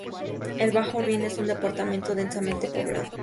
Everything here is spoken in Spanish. El Bajo Rin es un departamento densamente poblado.